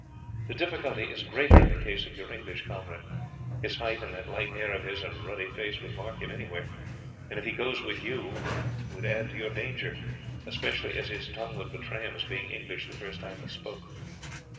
The difficulty is greater in the case of your English comrade his height and that light hair of his and ruddy face would mark him anywhere, and if he goes with you would add to your danger, especially as his tongue would betray him as being English the first time he spoke.